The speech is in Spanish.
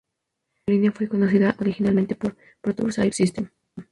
La aerolínea fue conocida originalmente como Proteus Air System.